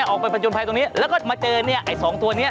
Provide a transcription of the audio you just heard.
ออกไปประจนภัยตรงนี้แล้วก็มาเจอไอ้สองตัวนี้